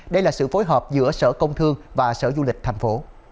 đây là sự phối hợp giữa sở công thương và sở du lịch tp